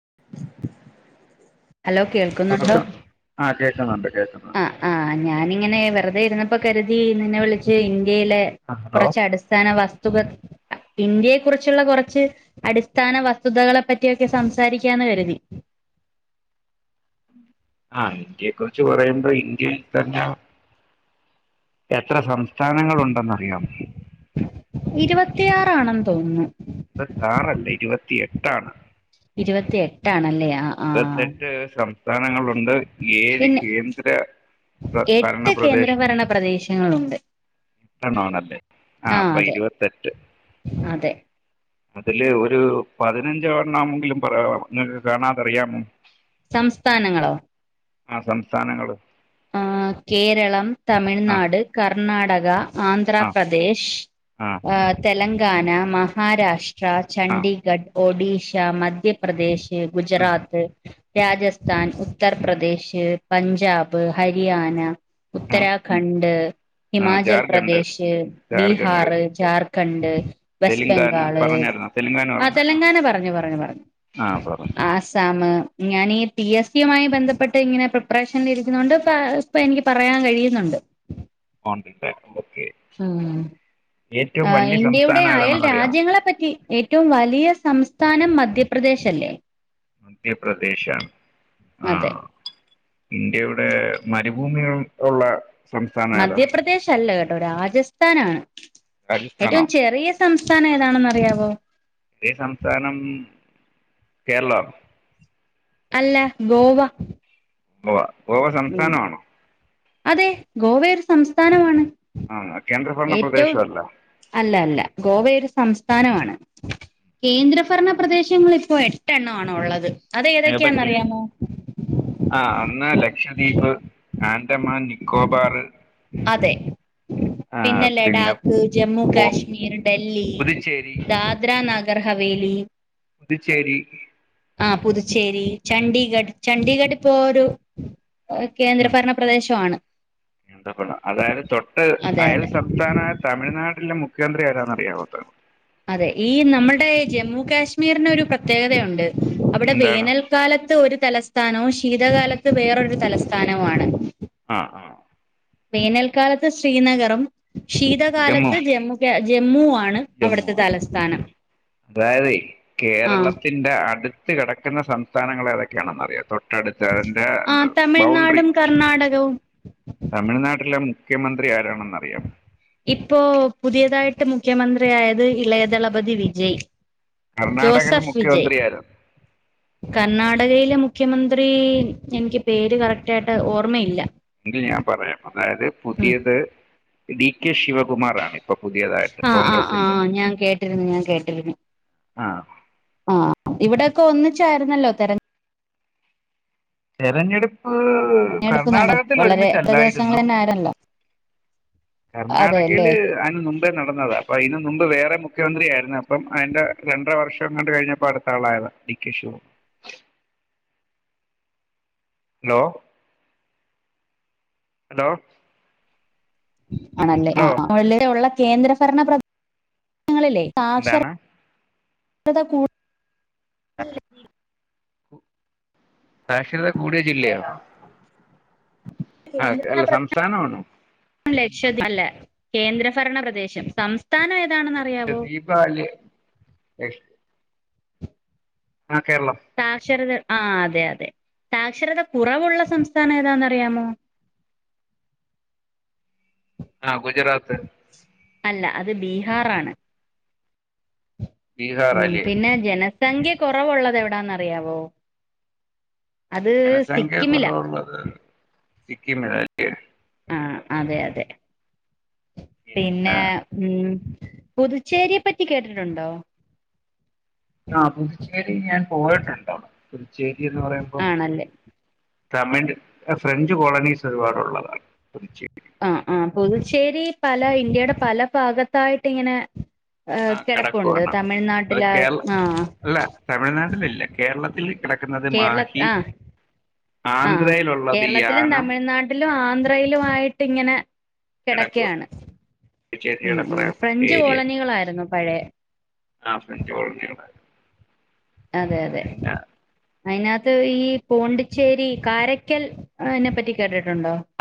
[inaudible] Hello കേൾക്കുന്നുണ്ടോ doctor ആ കേൾക്കുന്നുണ്ട് ആ കേൾക്കുന്നുണ്ട് ആ ഞാനിങ്ങനെ വെറുതെ ഇരുന്നപ്പോ കരുതി നിന്നെ വിളിച്ച് ഇൻ ന്ത്യയിലെ ആ ഹലോ കുറച്ച് അടിസ്ഥാന വസ്തു പദ് ഇന്ത്യയെ കുറിച്ചുള്ള കൊറച്ച് അടിസ്ഥാന വസ്തുതകളെ പറ്റിയൊക്കെ സംസ് സാരിക്കാന്ന് കരുതി ആ ഇന്ത്യയെക്കുറിച്ച് പറയുമ്പോ ഇന്ത്യയിൽ തന്നെ എത്ര സംസ്.... ഇരുപത്തിയാറാണെന്ന് തോന്നുന്നു ഇരുപത്താറല്ല ഇരുപത്തിയെട്ടാണ് ഇരുപത്തിയെട്ടാണല്ലേ ഇരുപത്തെട്ട് സംസ്ഥാനങ്ങളുണ്ട് ഏഴ് പിന്നെ കേന്ദ്ര ഭ ഭരണ എട്ട് പ്രദേശം കേന്ദ്രഭരണ എണോണല്ലെ ആ അതെ അതെ അതില് ഒരു പതിനഞ്ചവണ്ണമെങ്കിലും പറയാവോ നിങ്ങക്ക് കാണാതറിയാമോ സംസ്ഥാനങ്ങളോ ആ സംസ്ഥാനങ്ങള് ആ കേരളം ആ തമിഴ്നാട് കർ ണ്ണാടക ആ ആന്ധ്രാപ്രദേശ് ആ തെലങ്കാന മഹാരാഷ്- ട്രാ ചണ്ഡീഗഢ ഒഡീഷ മധ്യപ്രദേശ് ഗുജറാത്ത് രാജസ്ഥൻ ഉത്തർപ്രദേശ് പഞ്ചാബ് ബ് ഹരിയാന ആ ഉത്തരാഖണ്ഡ് ആ ജാർഖണ്ഡ് ഹിമാചൽപ്രദേശ് ബീഹാർ ജാർഖണ്ഡ് ജാർ- ഖണ്ട് വെസ്റ്റ് തെലുങ്കാന ബംഗാള് പറഞ്ഞായിരുന്നോ തെലുങ്കാന ആ പറഞ്ഞോ തെലങ്കാന പറഞ്ഞു പറഞ്ഞു പറഞ്ഞു ആഹ് പറഞ്ഞു ആസാമ് ഞാനീ ഈ പി എസ് സിയുമായി ബന്ധപ്പെട്ട് ഇങ്ങനെ പ്രിപ്പറേഷനിൽിരിക്ക- ന്ന്ണ്ട് ഇപ്പൊ എനിക്ക് പറയാൻ കഴിയുന്നുണ്ട് പോണ്ടല്ലേ ഓക്കെ ഏറ്റവും ആ വലിയ ഇന്ത്യയുടെ സംസ്ഥാനം അയൽ ഏതാണെന്ന് അറിയാമോ രാജ്യങ്ങളെ പറ്റി ഏറ്റവും വലിയ സംസ് സ്ഥാനം മധ്യപ്രദേശ് അല്ലേ മധ്യപ്രദേശാണ് അതെ ആഹ് ഇന്ത്യയുടെ മരുഭൂമി ഉ ഉള്ള സംസ്ഥാനം ഏതാ മധ്യപ്രദേശ് അല്ല കേട്ടോ രാ ജസ്ഥാനാണ്. രാജസ്ഥാനോ ഏറ്റവും ചെറിയ സ് സംസ്ഥാനം ഏതാണെന്നറിയാവോ? റിയ സംസ്ഥാനം കേരളാണോ അല്ല ഗോവ ഗോവ ഗോവ ഉം സംസ്ഥാനാണോ? അതെ ഗോവ ഒരു സംസ്ഥാനമാണ്. ആഹ് കേന്ദ്രഭരണ ഏറ്റവും പ്രദേശമല്ല അല്ല അല്ല ഗോവയൊരു സംസ് സ്ഥാനമാണ് കേന്ദ്രഭരണ പ്രദേശങ്ങള് ഇപ്പൊ എട്ടെണ്ണം ആണ് ഉള്ളത് അത് ഏതൊക്കെ ഏതൊക്കെയാന്നറിയാമോ ആഹ് ഒന്ന് ലക്ഷദ്വീപ് ആന്റമാൻ നിക്കോബാറ് അതെ പിന്നെ ലഡാക്ക് ജമ്മു പോ കാശ്മീർ ഡൽഹി പുതുച്ചേരി ദാദ്ര നഗ് ഗ്രഹവേലി പുതുച്ചേരി ആ പുതുച്ചേരി ചണ്ഡീഗഡ് ചണ്ഡീഗഡ് ഇപ്പൊ ഒരു ഏ ഉം കേന്ദ്രഭരണ പ്രദേശവാണ് [unintelligible] അതായത് തൊട്ട് അതെ അയൽ അതെ സംസ്ഥാനായ തമിഴ്നാ ടിന്റെ മുഖ്യമന്ത്രി ആരാന്നറിയാവോ ത് അതെ ഈ നമ്മടെ ജമ്മു കാശ്മീറിന് ഒരു പ്രത്യേകതയൊണ്ട് അവിടെ എന്താണ് വേനൽക്കാലത്ത് ഒരു തലസ് സ്ഥാനവും ശീതകാലത്ത് വേറൊരു തലസ്ഥാനവും ആണ് ആഹ് ആഹ് വേനൽക്കാലത്ത് ശ്രീനഗറും ശീതകാലത്ത് ജമ്മു ക്യാ ജമ്മൂവാ ജമ്മു ആണോ അതായതെ ആഹ് കേരളത്തിന്റെ അടുത്ത് കിടക്കുന്ന സംസ് സ്ഥാനങ്ങളേതൊക്കെണറിയോ തൊ ട്ടടുത്ത് അതിന്റെ ആഹ് ബൗണ്ട്റി തമിഴ്നാടും കർണാടകവും തമിഴ്നാട്ടിലെ മു മുഖ്യമന്ത്രി ആരാണെന്നറിയാം ഇപ്പോ പുതിയതായിട്ട് മുഖ്യമന്ത്രിയായത് ഇളയദളപതി വിജയ് കർണാടകയിലെ ജോസഫ് വിജയ് മുഖ്യമന്ത്രി ആരാണ് കർണാടകയിലെ മു മുഖ്യമന്ത്രി എനിക്ക് പേര് കറക്റ്റായിട്ട് ഓർമ്മയില്ല എങ്കിൽ ഞാൻ പറയാം അതായത് ഉം പുതിയത് ഡി കെ ശിവകുമാർ ആണ് ആ ആ ആ ഞാൻ കേട്ടിരുന്നു ഞാൻ കേട്ടിരുന്നു ആ ആ ഇവിടൊക്കെ ഒന്നിച്ചായിരുന്നല്ലോ തിരഞ്ഞ തെരഞ്ഞെടുപ്പ് പ്പ് തെരഞ്ഞെടുപ്പ് നട കർണാടകത്തിൽ വളരെ ദിവസങ്ങൾ ഒരുമിച്ചല്ലായിരുന്നു തന്നെ ആയിരുന്നല്ലോ അതെല്ലേ കർണാടകയില് അതിന് മുമ്പേ നടന്നതാ അപ്പൊ അതിന് മുമ്പേ വേറെ മുഖ്യമന്ത്രിയായിരുന്നു അപ്പം അതിന്റെ രണ്ടര വർഷം കണ്ട് കഴിഞ്ഞപ്പോ അടുത്ത ആളായതാ D K Shiva hello hello ആണല്ലേ ആ ഹലോ ആ ങാ കേന്ദ്രഭരണ പ്ര ങ്ങളിലെ സാക്ഷര എന്താണ് രത കൂടുതലല്ലേ സാക്ഷരത കൂടിയ ജില്ലയോ കേട്ടോ ആഹ് അല്ല കേന്ദ്രഭരണ സംസ്ഥാനം ആണോ ലക്ഷദ്വീപ് അല്ല കേന്ദ്രഭരണ പ്രദേശം സംസ് ലക്ഷദ്വീപാല്യ ലക്ഷ സാക്ഷരത ആ അതെ അതെ സാക്ഷരത കുറവുള്ള സംസ്ഥാനം ഏതാന്നറിയാമോ ആ ഗുജറാത്ത് അല്ല അത് ബീഹാറാണ് ബീഹാർ ഉം അല്ലേ പിന്നെ ജന സംഖ്യ കൊറവുള്ളത് എവിടാന്നറിയാവോ അത് സിക്കിമിലാ സിക്കിമിലാല്യോ ആ അതെ അതെ പിന്നെ ഉം പുതുച്ചേരിയെ പറ്റി കേട്ടിട്ടൊണ്ടോ ആ പുതുച്ചേരി ഞാൻ പോയിട്ടൊണ്ട് പുതുച്ചേരി എന്ന് പറയുമ്പം ആണല്ലേ തമിഴ് ഫ്രഞ്ച് കോളനീസ് ഒരുപാടുള്ളതാണ് പുതുച്ചേരി ആ ആഹ് പുതുച്ചേരി പല ഇന്ത്യയുടെ പല ഭാഗത്തായിട്ട് ഇങ്ങനെ- ആ ഏഹ് കിടപ്പുണ്ട് [unintelligible] അത് തമിഴ്നാട്ടില് കേരളത്തി ആഹ് അല്ല തമിഴ്നാട്ടില്ലാ കേരളത്തില്- കേരളത്തിലും ആ ആ ആന്ധ്രയിലുള്ളത് കേരളത്തിലും യാനം തമിഴ്നാട്ടിലും ആന്ധ്രയിലായി ഇങ്ങനെ കെടക്കെയാണ് കിടക്കുക ഉം ചേരിയുടെ ഉം കുറെ ഫ്രഞ്ച് ഏരിയ കോളനികളാര്ന്നു പഴയെ ആ ഫ്രഞ്ച് കോളനികള് അതെ അതെ പിന്നെ അതിനത്ത് ഈ പോണ്ടിച്ചേരി കാരക്കാൽ അയിനെപ്പറ്റി കേട്ട്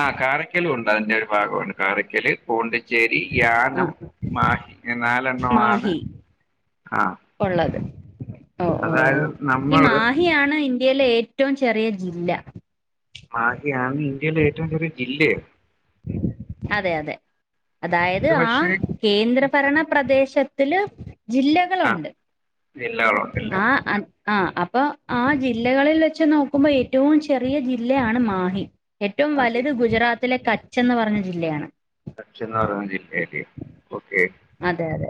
ആ കാരക്കലും ഒണ്ട് അയിന്റെ ഒര് ഭാഗാണ് കരായ്ക്കല് പൊണ്ടി ച്ചോരി, യാനം, ആഹ് മാഹി ഈ നാലെണ്ണം ആണ് ഒള്ളത് ഓ ഓ ഓ അതായത് ഈ നമ്മള് മാഹിയാണ് ഇന്ത്യലെ ഏ ഏറ്റോംചെറിയ ജില്ലാ മാഹിയാണ് ഇന്ത്യയിലെ ഏറ്റോം ചെറിയ ജില്ലയോ അതെ അതെ അതായത് അത് ആ പക്ഷേ കേന്ദ്രഭരണ പ്രദേശത്തില് ആ ജില്ലകളൊണ്ട് ജില്ലകളുണ്ടല്ലേ ആാ ആ ആാ അ പ്പം ആ ജില്ലകളി വെച്ച് നോക്കുമ്പോ ഏറ്റോം ചെറിയ ജില്ലാണ് മാഹി ഏറ്റോ മാഹി വലുത് ഗുജറാത്തിലെ ക ച്ചെന്ന് പറഞ്ഞാ ജില്ലോയാണ് കാച്ചെന്ന് പറെന്ന ജില്ലാല്ല്യോ അതെ അതെ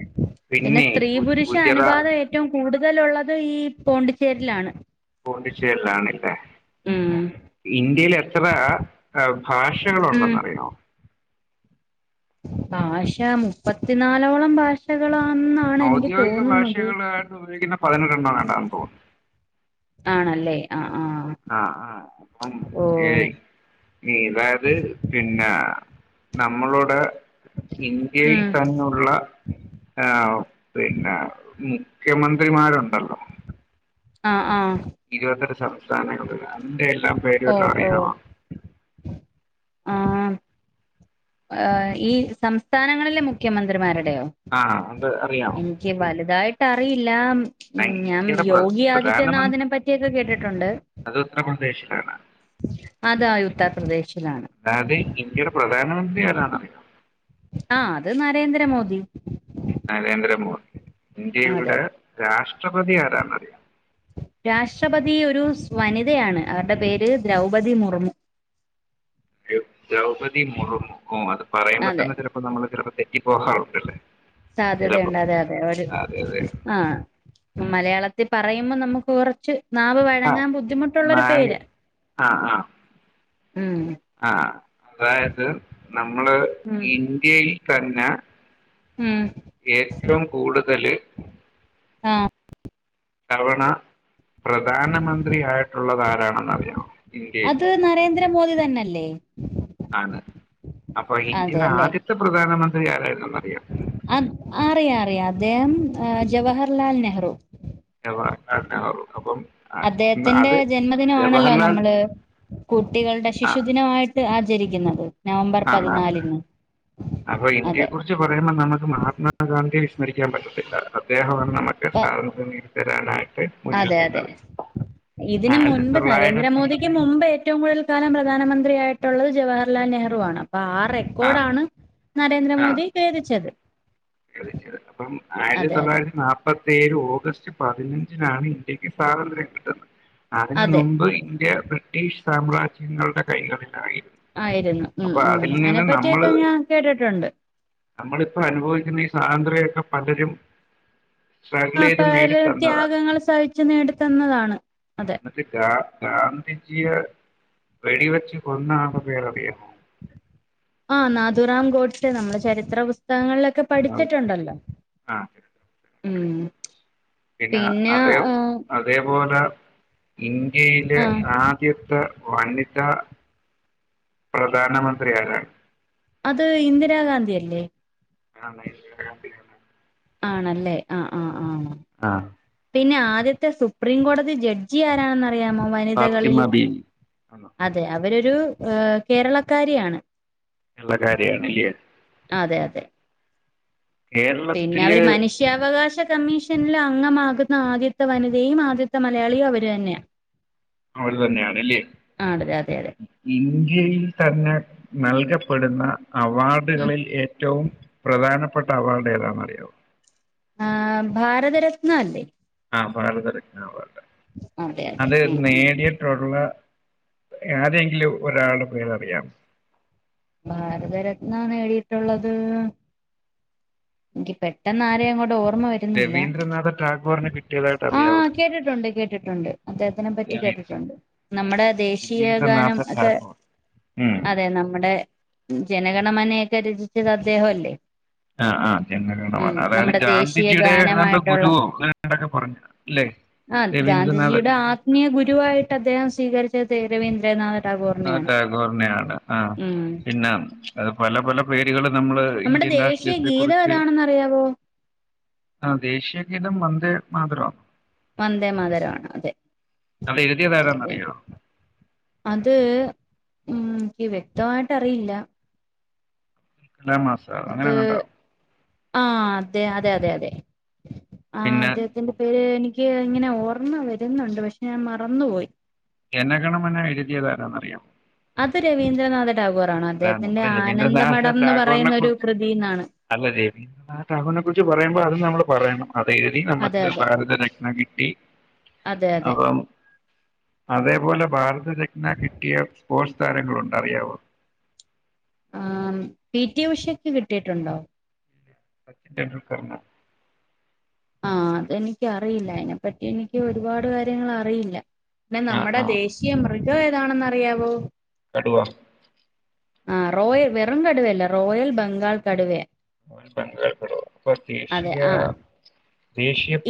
പിന്നെ സ്ത്രീ ഗു പുരുഷ ഗുജറാത്ത് അനുബാതം ഏറ്റോം കൂടുതൽ കൂടുതലെള്ളത് ഈ പോണ്ടിച്ചേരിലാണ് പോണ്ടിച്ചേരിലണല്ലേ ഉം ഇന്ത്യേല് എ ത്രാ ഭാഷകളെണ്ടെന്ന് അറിയോ ഭാഷാ മുപ്പത്തിനാലോളം ഭാഷക ഔദ്യോഗിക ഭാഷകളായിട്ട് ഉപയോഗിക്കുന്ന [unintelligible] ആണല്ലേ ആ ആ ആാ ആാ അപ്പം ഓ യെ ഇതായത് പിന്നെ നമ്മളുടെ ഇന്ത്യയിൽ ഉം തന്നെയെള്ള ആ പിന്നെ മുഖ്യമന്ത്രിമാരുണ്ടല്ലോ ആ ആ ഇരുപതെട്ട് സംസ്ഥാനങ്ങളില് [unintelligible] ഓ ഓ ആഹ് ഈ സംസ്ഥാനങ്ങളിലെ മുഖ്യമന്ത്രിമാര അതെയൊ ആ അത് അറിയാമോ എനിക്ക് വലുതായിട്ട് അറിയില്ല എന്നാ ഉം ഞാൻ ഇന്ത്യയുടെ പ്ര- യോഗി പ്രധാനമന്ത്രി ആദിത്യനാഥിനെ പറ്റിയൊക്കെ കേട്ടിട്ടുണ്ട് അത് ഉത്തർപ്രദേശിലാണ് അതാ ഉത്തർപ്രദേശിലാണ് അറിയൊ ആ അത് നരേന്ദ്ര മോദി നരേന്ദ്ര മോദി അതെ ഇന്ത്യയുടെ രാഷ് ട്രപ്രതി ആരാന്ന് അറിയൊ രാഷ്ട്രപതി ഒരു സ് വനിതയാണ് അവരുടെ പേര് ദ്രൗപദി മുർമു ദ്രൗപതി മുറുമു ഓ അത് പറയുമ്പ അതെ തന്നെ ചിലപ്പോ നമ്മളെ ചെലപ്പോ തെ സാധ്യതയുണ്ട് അതെ അതെ ആഹ് മലയാള ത്തി പറയുമ്പോ നമുക്ക് കുറച്ച് നാവ് ആ വഴങ്ങാൻ ബുദ്ധിമുട്ടുള്ളൊരു നാല് പേര് ആ ആ ഉം ആ അതായത് നമ്മള് ഉം ഇന്ത്യയിൽ തന്നെ ഉം ഏറ്റവും കൂടുതല് ആഹ് തവണ പ്രധാനമന്ത്രി ആയിട്ടുള്ളതാ രാണെന്ന് അറിയാവൊ അത് നരേന്ദ്ര മോദി തന്നെല്ലേ അതെ അപ്പൊ അതെ ഇന്ത്യയുടെ അല്ലേ ആദ്യത്തെ പ്രധാനമന്ത്രി ആരായിരുന്നെന്നറിയൊ അത് അറിയാം അറിയാം അദ്ദേഹം ജവഹർലാൽ നെഹറു ജവഹർലാൽ നെഹറു അപ്പം അദ്ദേഹത്തിന്റെ അത് ജന്മദിനമാണല്ലോ ജവഹർലാൽ നമ്മള് കുട്ടികളുടെ ശിശുദിനമായി ട്ട് ആചരിക്കുന്നത് നവംബർ ആന്നാന്ന് പതിനാലിന് അപ്പം ഇന്ത്യെയെ അതെ കുറിച്ച് പറയുമ്പം നമുക്ക് മഹാത്മാഗാന്ധി ടെ സ്മരിക്കാൻ പറ്റത്തില്ല അദ്ദേഹമാണ് നമുക്ക് അപ്പൊ സ്വാതന്ത്ര്യം നേടി തരാനായി അതെ അതെ ഇതിന് ആയിരത്തി മുൻപ് തൊള്ളായിരത്തി നരേന്ദ്രമോദിക്ക് മുമ്പ് ഏറ്റവും കൂടുതൽ കാലം പ്ര പധാനമന്ത്രിയായിട്ടുള്ളത് ജവഹർലാൽ നെഹ്റു ആണ് അപ്പൊ ആ റെക്കോർഡ് ആണ് നരേന്ദ്രമോദി ഭേദിച്ചത് ശ ശരി അപ്പം ആയിരത്തി അതെ അതെ തൊള്ളായിരത്തി നാല്പ്പത്തി ഏഴ്‌ ഓഗസ്റ്റ് പതിനഞ്ചിനാണ് ഇന്ത്യക്ക് സ്വാതന്ത്ര്യം കിട്ടുന്നത് അതിനന് അതെ മുമ്പ് ഇന്ത്യ ബ്രിട്ടീഷ് സാമ്രാജ്യങ്ങളുടെ കൈകളിലായി ആയിരുന്നു ഉം ഉം അതിനെ നമ്മള് പറ്റിയൊക്കെ ഞാൻ കേട്ടിട്ടുണ്ട് സ്വാതന്ത്ര്യൊക്കെ പലരും ആ സ്ട്രഗിൾ ചെയ്ത് പല നേടിത്തന്നതാണ് ത്യാഗങ്ങൾ സഹിച്ചു നേടി തന്നതാണ് അതെ [unintelligible] പിജയ വെടി വെച്ചു കൊന്ന ആള പേരറിയാമോ ആ നാതുറാം ഗോട്സെ നമ്മല്ലേ ചരിത്ര പുസ്തകങ്ങളിലൊക്കെ പഠിച്ചിട്ടുണ്ടല്ലോ ആഹ് ഉം പിന്നെ അതേപോലെ ഇന്ത്യയിലെ ആ ആദ്യത്തെ വനിത പ്രധാനമന്ത്രി ആരാണ് അത് ഇന്ദിരാഗാന്ധി അല്ലേ ആ ഇന്ദിര ഗാന്ധിയാണ് ആണല്ലേ ആ ആ ആ ആ പിന്നെ ആദ്യത്തെ സുപ്രീം കോടതി ജഡ്ജി ആരാണെന്ന അറിയാമോ ഫാത്തിമ വനിതകളിൽ ബീവി അതെ അവരൊരു കേരളക്കാരിയാണ് ുള്ള കാര്യാണല്ലയേ [unintelligible] പിന്നെ അവര് മനുഷ്യാവകാശ കമ്മീഷനിൽ അംഗമാകുന്ന ആദ്യത്തെ വനിതയും ആദ്യത്തെ മലയാളിയും അവര് തന്നെയാണ് അവര് തന്നെയാണല്ലേ അതെ അതെ ഇന്ത്യയിൽ തന്നെ നൽകപ്പെടുന്ന ഉം അവാർഡുകളിൽ ഏറ്റവും പ്രധാന പ്പെട്ട അവാർഡ് ഏതാന്ന് അറിയോ ആ ഭാരതരത്ന അല്ലേ ആ ഭാരത് രത്ന അവാർഡ് അതെ അതെ അത് ഉം ഉം നേടീട്ടുള്ള ആരെങ്കിലും ഒരാളുടെ പേര് അറിയാമോ ഭാരതരത്ന നേടിയിട്ടുള്ളത് എനിക്ക് പെട്ടെന്ന് ആരെയ അങ്ങോട്ട ഓർമ്മ ഓർമ്മ വരുന്നില്ല രവീന്ദ്രനാഥ ടാഗോറിന് കിട്ടിയതായിട്ട് ആ അറിയാവോ കേട്ടിട്ടുണ്ട് കേട്ടിട്ടുണ്ട് അദ്ദേഹത്തിനെ പറ്റി രവീ- കേട്ടിട്ടുണ്ട് നമ്മുടെ ദേശീയ രവീന്ദ്രനാഥ ഗാനം ഒക്കെ ടാഗോർ ഉം. അതെ നമ്മുടെ ജനഗണമനയൊക്കെ രചിച്ചത് അദ്ദേഹല്ലേ. ആ ആ ഉം ജനഗണമാണ് അതായത് നമ്മുടെ ദേശീയ ഗാന്ധിജിയുടെ ഏതാണ്ട് ഗാനമായിട്ടുള്ള ഗുരുവോ അങ്ങനെയൊക്കെ പറഞ്ഞു അല്ലേ ആഹ് രവീന്ദ്രനാഥ ഗാന്ധിജിയുടെ ആത്മീയ ഗുരുവായിട്ട് അദ്ദേഹം സ്വീകരിച്ച [unintelligible] രവിന്ദ്രനാഥ ആ ടാഗോറിനെയാണ്. ആ ഉം പിന്ന അത് പല പല പേരുകളും നമ്മുടെ ദേശീയ ഗീതം ഏതാണെന്ന് അറിയാവോ? ആ ദേശീയഗീതം വന്ദേ മാതരവാ. വന്ദേമാതരമാണ്. അതെ. അത് എഴുതിയതാരന്ന് അറിയാവോ? അത് ഉം. എനിക്ക് വ്യക്തമായിട്ടറിയില്ല. കലാമാസ അങ്ങനെയെങ്ങാണ്ടാ. ആ അതെ അതെ അതെ അതെ. ആ പിന്നെ അദ്ദേഹത്തിന്റെ പേര് എനി എനിക്ക് ഇങ്ങനെ ഓർമ്മ വരുന്നുണ്ട്. പക്ഷെ ഞാൻ മറന്നുപോയി. ജന ഗണ മന എഴുതിയതാരാന്നറിയാവോ? അത് രവീന്ദ്രനാഥൻ അല്ല നമ്മള് രവീന്ദ്രനാഥ എന്ന് ടാഗോറിനെ പറയുന്ന ഒരു കുറിച്ച് കൃതിന്നാണ് അല്ല രവീന്ദ്രനാഥ ടാഗോറിനെ കുറിച്ച് പറയുമ്പോ അത് നമ്മൾ പറയണം. അതെഴുതി അതെ നമുക്ക് അതെ ഭാരതരത്ന കിട്ടി. അതെ അതെ അപ്പം അതേപോലെ ഭാരതരത്ന കിട്ടിയ സ്പോട്സ്താരങ്ങളുണ്ട്. അറിയാവോ? ആ പി ടി ഉഷക്ക് കിട്ടിയിട്ടുണ്ടോ? സച്ചിൻ ടെണ്ടുൽക്കറിന്, ആ അതെനിക്ക് അറിയില്ല. അതിനെപ്പറ്റി എനിക്ക് ഒരുപാട് കാര്യങ്ങൾ അറിയില്ല. പിന്നെ ആ നമ്മുടെ ആ ദേശീയ മൃ ഇതോ ഏതാണെന്ന് അറിയാവോ? കടുവ. ആ റോയൽ വെറും കടുവയല്ല റോയൽ ബംഗാൾ കടുവയാ. ബംഗാൾ കടുവ. അപ്പ അതെ ദേശിയ ആ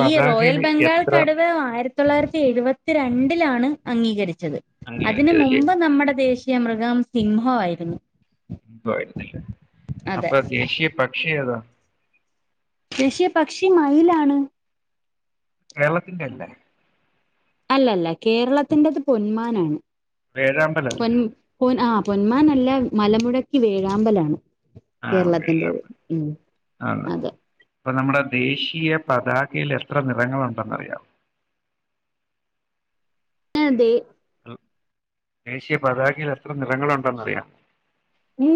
ഈ റോയൽ ബംഗാൾ കടുവ ആയിരത്തി തൊള്ളായിരത്തി എഴുപത്തി രണ്ടിലാണ് അംഗീകരിച്ച - - ച്ചത്. അതിന് അംഗീകരിച്ചതില് മുമ്പ് നമ്മുടെ ദേശി യ മൃഗം സിംഹംആയിരുന്നു. എന്തായിരുന്നില്ല. അപ്പൊ ദേശീയ പക്ഷി ഏതാ? [inaudible] ദേശിയ പക്ഷി മയിലാണ്. കേരളത്തിന്റെ അല്ല. അല്ലല്ല കേരളത്തിന്റെത് പൊന്മാനാണ്. വേഴാമ്പലല്ലേ പൊൻ ആ പൊന്മാ ല്ല മലമുഴക്കി വേഴാമ്പലാണ് ആ കേരളത്തിന്റേത് ഉം ആ അതെ അപ്പൊ നമ്മുടെ ദേശീയ പതാകയിൽ എത്ര നിറങ്ങളുണ്ടെന്നറിയമോ? ഏ ദേ ദേശീയ പതാകയിൽ എത്ര നിറങ്ങളുണ്ടെന്നറിയാമോ? ഉം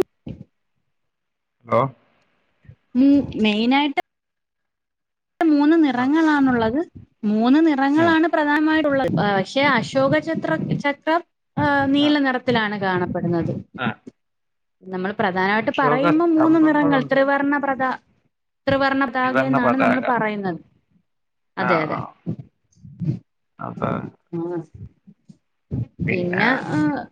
ഹലോ ഉം മെയിനായിട്ട് മൂന്ന് നിറങ്ങളാണുള്ളത്. മൂന്ന് ഉം നിറങ്ങളാണ് പ്രധാനമായിട്ടുള്ളത്. പക്ഷേ അശോകച്ചഛത്ര ചക്രം ആ നീല നിറത്തിലാണ് കാണപ്പെടുന്നത്. ആ നമ്മള് പ്രധാനായിട്ട് അശോക പറയുമ്പോ മൂന്ന് നിറങ്ങൾ സ്തംഭങ്ങളുണ്ട് ത്രിവർണ പ്രഥ ത്രിവർണ പതാക ത്രിവർണ്ണ എന്നാണ് നമ്മള് പതാക പറയുന്നത് ആ അതെ ആ അതെ അപ്പൊ ആ പിന്നെ ഏഹ്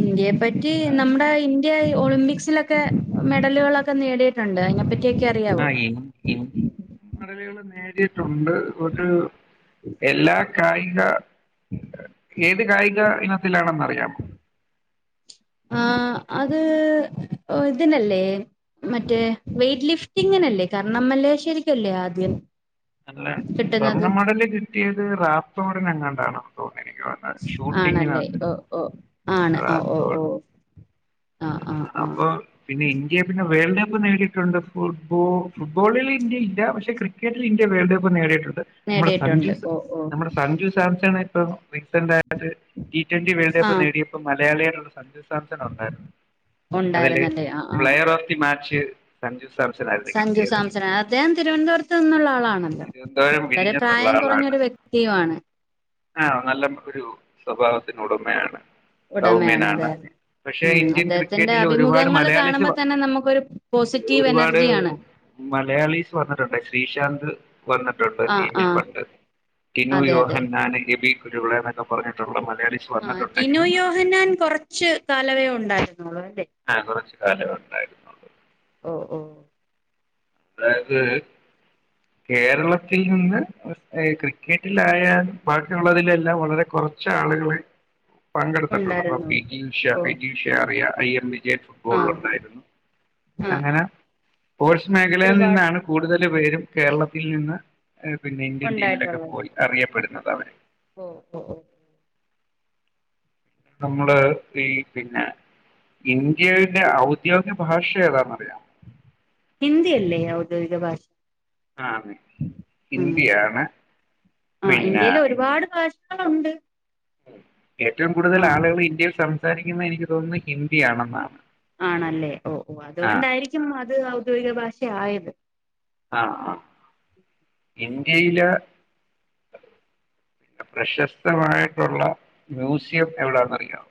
ഇന്ത്യ പറ്റി അതായത് നമ്മുടെ ഇന്ത്യ ഒളിമ്പിക്സിലൊക്കെ മെഡലുകളൊക്കെ നേടിയിട്ടുണ്ട് അയിനെപ്പറ്റി ഇക്കക്ക് ആ അറിയാവോ? [unintelligible] [unintelligible] നേടിയിട്ടുണ്ട് ബ ഏഹ് എല്ലാ കായിക ഏത് കായിക ഇനത്തിലാണെന്നറിയാമോ? ആ അത് ഇതിനല്ലേ മറ്റേ വെയറ്റ് ലിഫ്റ്റിങ്ങിനല്ലേ കാരണംമ്മല്ലേ ശരിക്കല്ലേ ആദ്യം അല്ല കിട്ടുന്നത് സ്വർണ്ണമടല് കിട്ടിയത് റാത്തോടനങ്ങ ആണന്നു തോന്നുന്നു എനിക്ക് തോന്നുന്നത് ആണല്ലേ ഷൂട്ടിങ്ങിനകത്ത് ഓ ഓ ആണ് ഓ ഓ ഓ റാത്തോഡ് ആഹ് ആഹ് ആഹ് അപ്പൊ പിന്നെ ഇന്ത്യ പിന്നെ വേൾഡ് കപ്പ് നേടിയിട്ടുണ്ട് ഫുട്ബോളിൽ ഇന്ത്യ ഇല്ല പക്ഷെ ക്രിക്കറ്റിൽ ഇന്ത്യ വേൾഡ് കപ്പ് നേടിയിട്ടുണ്ട് ണ്ട് നമ്മുടെ സഞ്ജു നേടിയിട്ടുണ്ട് ഓ ഓ നമ്മുടെ സഞ്ജു സാംസണ് പൊ റീസെന്റായി അത് ടീ ട്വന്റി വേൾഡ് കപ്പ് ആഹ് നേടിയപ്പോ മലയാളികള് [unintelligible] ഉണ്ടായിരുന്നു അതില് ഉണ്ടായിരുന്നല്ലേ ആഹ് ആഹ് player of the match Sanju സർജൻആയിരുന്നു സഞ്ജു കിട്ടിയത് സാംസൺ അദ്ദേഹം തിരുവനന്തപുരത്ത് നിന്നുള്ള ആളാണല്ലോ തിരുവനന്തപുരം വളരെ വിഴിഞ്ഞത്തുള്ള പ്രായം ആളാണ് കുറഞ്ഞൊരു വ്യക്തിയുമാണ് ആഹ നല്ല ഒരു സ്വഭാവത്തിന്ഉടമയാണ് ഉടമയാണ് അതെ സൗമ്യനാണ് അതെ പക്ഷെ ഉം ഇന്ത്യൻ അദ്ദേഹത്തിന്റെ ക്രിക്കറ്റ് ഇതിൽഒരുപാട് അഭിമുഖങ്ങൾ മലയാളിസ് കാണുമ്പോ തന്നെ നമുക്കൊരു പോസിറ്റീവ് ഒരുപാട് എനർജിയാണ് മലയാളീസ് വന്നിട്ടുണ്ട് ശ്രീശാന്ത് അത് വന്നിട്ടുണ്ട് ആ ആ ടിമിൽ പണ്ട് ടിനു അതെ അതെ യോഹൻ എബി കുരുളയ എന്നൊക്കെ പറഞ്ഞിട്ടുള്ള മലയാളീസ് ആ ടിനു വന്നിട്ടുണ്ടെങ്കിലും യോഹനാൻ കൊറച്ച് കാലമേ ഉണ്ടായിരുന്നു ആഹ് കുറച്ചു കാലം ഉണ്ടായിരുന്നുള്ള ഓ ഓ അതായത് കേരളത്തിൽ നിന്ന് ക്രിക്കറ്റിലായാലും ബാക്കിയുള്ളതിലെല്ലാം വളരെ കുറച്ച ആളുകളെ പങ്കെടുത്തിട്ടുള്ളൂ അ പി ഉണ്ടായിരുന്നുള്ളൂ ജി ഉഷ ഓ പി ജി ഉഷ അറിയ ഐ എം ബി ഏ ആ ഫുട്ബോള്ഉണ്ടായിരുന്നു ആ അങ്ങനെ പോൾസ് മേഖലയിൽ ഒരുപാട് നിന്നാണ് കൂടുതൽ പേരും കേരളത്തിൽ നിന്ന് പിന്നെ ഇന്ത്യൻ ടീമിലൊക്കെ ഉണ്ടായിട്ടുള്ളത് പോയി അറിയപ്പെടുന്നു പറ ഓ ഓ ഹോ നമ്മള് ഈ പിന്നെ ഇന്ത്യന്റെ ഔദ്യോഗിക ഭാഷ ഏതാന്നറിയാമോ ഹിന്ദി അല്ലേ ഔദ്യോഗിക ഭാഷ ആ ഉം ഇന്ത്യയാണ് പിന്നെ [unintelligible] ഉണ്ട് ഏറ്റവും കൂടുതൽ ആളുകൾ ഇന്ത്യയിൽ സം സാരിക്കുന്നെ എനിക്ക് തോന്നുന്നു ഹിന്ദിയണെന്നാണ്. ആണല്ലേ ഓ ഓ അതുകൊണ്ടായിരിക്കും അത് ഔദ്യോയിക ഭാ റ്റെ ആയത് ആഹ് ആഹ് ഇന്ത്യയിലെ പ്രശസ്തമായിട്ടുള്ള മ്യൂസിയം എവിടെന്ന്റിയോ?